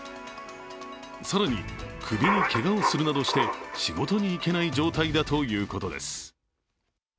更に、首にけがをするなどして仕事に行けない状態だということです。